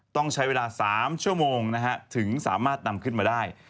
ต้องใช้เวลา๓ชั่วโมงถึงสามารถนำขึ้นมาได้